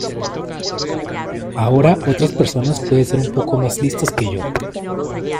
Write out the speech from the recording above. Ahora, otras personas pueden ser un poco más listas que yo.